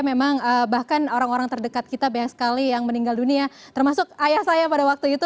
memang bahkan orang orang terdekat kita banyak sekali yang meninggal dunia termasuk ayah saya pada waktu itu